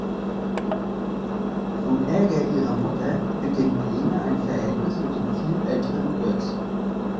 Zum Ärger ihrer Mutter beginnt Lene ein Verhältnis mit dem viel älteren Götz.